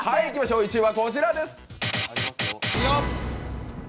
１位はこちらです。